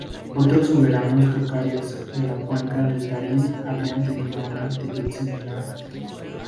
Otros soberanos tocarios de la Cuenca del Tarim habrían tenido una actitud similar.